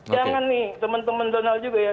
jangan nih teman teman donald juga ya